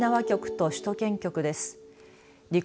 沖縄局と首都圏局です。